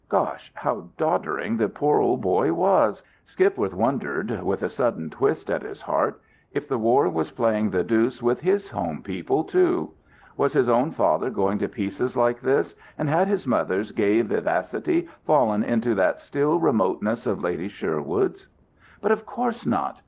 Gosh, how doddering the poor old boy was! Skipworth wondered, with a sudden twist at his heart, if the war was playing the deuce with his home people, too. Was his own father going to pieces like this, and had his mother's gay vivacity fallen into that still remoteness of Lady Sherwood's? But of course not!